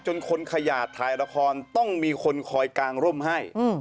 จนคนขยาดถ่ายละครต้องมีคนคอยกางร่มให้